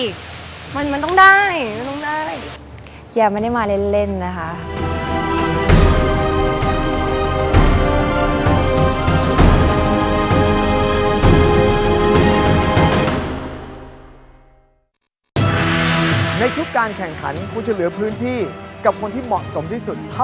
คิดไว้ว่าน่าจะไปได้อีก